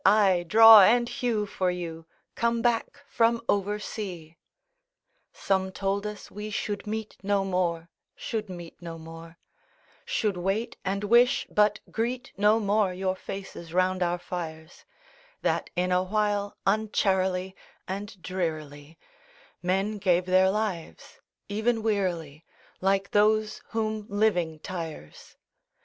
—aye, draw and hew for you, Come back from oversea." III Some told us we should meet no more, Should meet no more; Should wait, and wish, but greet no more Your faces round our fires; That, in a while, uncharily And drearily Men gave their lives—even wearily, Like those whom living tires.